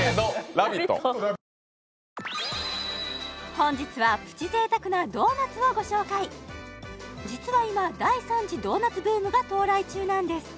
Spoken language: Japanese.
本日はプチ贅沢なドーナツをご紹介実は今第３次ドーナツブームが到来中なんです